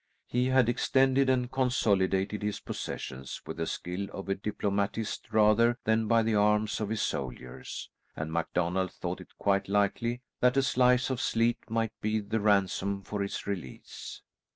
He had extended and consolidated his possessions with the skill of a diplomatist rather than by the arms of his soldiers, and MacDonald thought it quite likely that a slice of Sleat might be the ransom for his release.